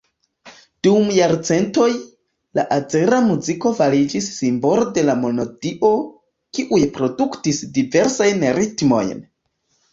Dum jarcentoj, la azera muziko fariĝis simbolo de la monodio, kiuj produktis diversajn ritmojn.